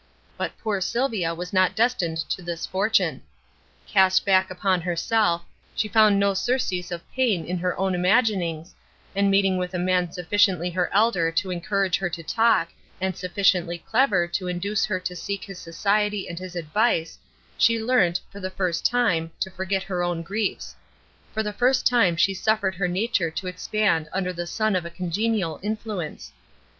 But poor Sylvia was not destined to this fortune. Cast back upon herself, she found no surcease of pain in her own imaginings, and meeting with a man sufficiently her elder to encourage her to talk, and sufficiently clever to induce her to seek his society and his advice, she learnt, for the first time, to forget her own griefs; for the first time she suffered her nature to expand under the sun of a congenial influence.